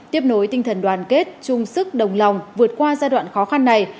tiếp nối tinh thần đoàn kết chung sức đồng lòng vượt qua giai đoạn khó khăn này